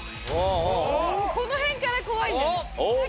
この辺から怖いんだね。